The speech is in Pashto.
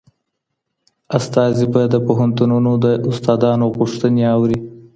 استازي به د پوهنتونونو د استادانو غوښتنې اوري.